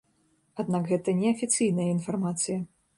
Аднак гэта неафіцыйная інфармацыя.